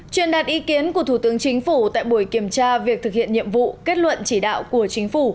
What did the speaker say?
truyền đạt ý kiến của thủ tướng chính phủ tại buổi kiểm tra việc thực hiện nhiệm vụ kết luận chỉ đạo của chính phủ